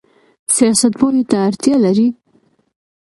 سیاست پوهې ته اړتیا لري؟